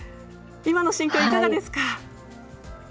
今の心境、いかがですか？